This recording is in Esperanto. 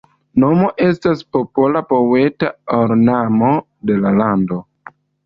Nomo estas “popola poeta ornamo” de la lando.